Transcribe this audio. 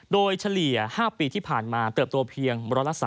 โดยเฉลี่ย๕ปีที่ผ่านมาเติบโตเพียง๑๓